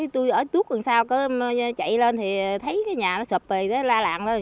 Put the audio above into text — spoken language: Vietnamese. tôi ở tuốt gần sau chạy lên thì thấy cái nhà nó sụp la lạng lên